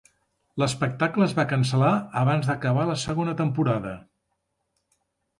L'espectacle es va cancel·lar abans d'acabar la segona temporada.